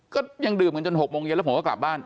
ก็ยังดื่มกันจน๖โมงเย็นแล้วผมก็กลับบ้าน